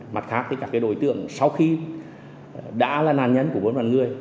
mặt khác các đối tượng sau khi đã là nạn nhân của bọn bọn người